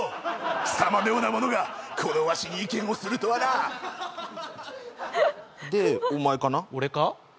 「貴様のような者がこのわしに意見をするとはな」でお前かな俺か？